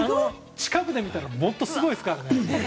近くで見たらもっとすごいですからね。